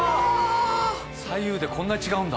左右でこんな違うんだ。